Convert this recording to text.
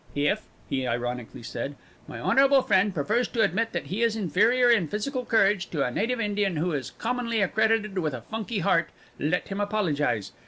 "If," he ironically said, "my honble friend prefers to admit that he is inferior in physical courage to a native Indian who is commonly accredited with a funky heart, let him apologise.